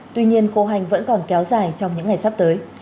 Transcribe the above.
tuy nhiên khô hành vẫn còn kéo dài trong những ngày sắp tới